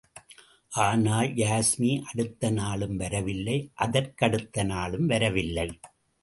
ஆனால், யாஸ்மி, அடுத்த நாளும் வரவில்லை அதற்கடுத்த நாளும் வரவில்லை!